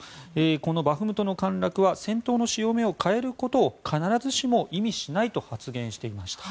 このバフムトの陥落は戦闘の潮目を変えることを必ずしも意味しないと発言していました。